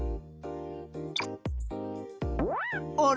あれ？